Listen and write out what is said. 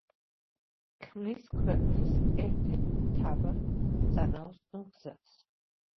ქმნის ქვეყნის ერთ-ერთ მთავარ სანაოსნო გზას.